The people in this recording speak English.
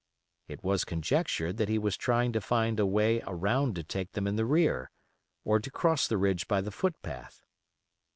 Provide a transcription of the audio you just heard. It was conjectured that he was trying to find a way around to take them in the rear, or to cross the ridge by the footpath.